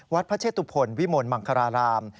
วัดพระเชศภนีรวิมนฯมังคราราณ